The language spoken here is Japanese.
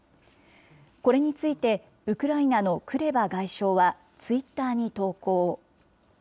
これについて、ウクライナのクレバ外相はツイッターに投稿。